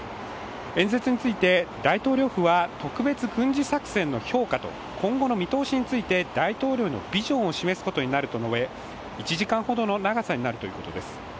演説について、大統領府は特別軍事作戦の評価と今後の見通しについて大統領のビジョンを示すことになると述べ１時間ほどの長さになるということです。